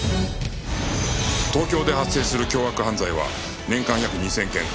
東京で発生する凶悪犯罪は年間約２０００件